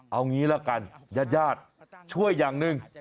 เอางี้ละกันญาติญาติช่วยอย่างหนึ่ง